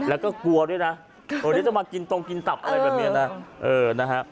แล้วก็กลัวด้วยนะเดี๋ยวจะมากินตรงกินตับอะไรแบบนี้นะ